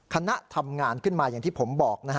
คณะทำงานขึ้นมาอย่างที่ผมบอก